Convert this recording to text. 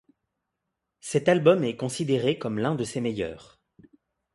Cet album est considéré comme l'un de ses meilleurs.